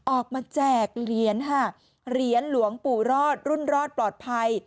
แจกเหรียญค่ะเหรียญหลวงปู่รอดรุ่นรอดปลอดภัย